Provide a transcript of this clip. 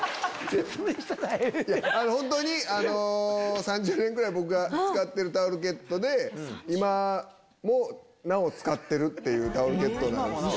本当に３０年ぐらい僕が使ってるタオルケットで今もなお使ってるっていうタオルケットなんですけど。